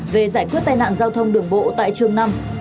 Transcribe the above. về giải quyết tai nạn giao thông đường bộ tại trường năm